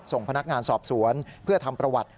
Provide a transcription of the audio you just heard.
ส่งพนักงานสอบสวนเพื่อทำประวัติ